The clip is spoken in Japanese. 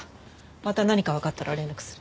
また何かわかったら連絡する。